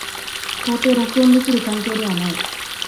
到底録音できる環境ではない。